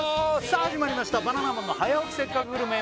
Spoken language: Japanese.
さあ始まりました「バナナマンの早起きせっかくグルメ！！」